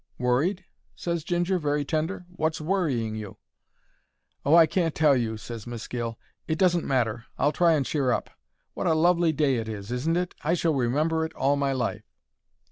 "Worried?" ses Ginger, very tender. "Wot's worrying you?" "Oh, I can't tell you," ses Miss Gill. "It doesn't matter; I'll try and cheer up. Wot a lovely day it is, isn't it? I shall remember it all my life."